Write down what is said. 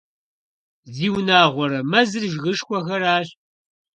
Зиунагъуэрэ, мэзыр жыгышхуэхэращ!